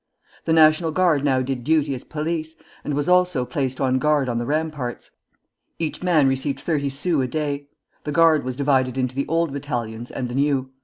The National Guard now did duty as police, and was also placed on guard on the ramparts. Each man received thirty sous a day. The Guard was divided into the Old Battalions and the New.